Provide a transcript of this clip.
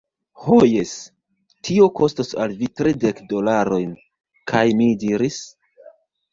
Ho jes, tio kostos al vi tridek dolarojn. kaj mi diris: